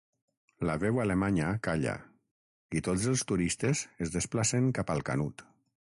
La veu alemanya calla i tots els turistes es desplacen cap al Canut.